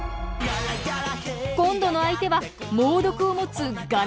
今度の相手は猛毒を持つガラガラヘビ。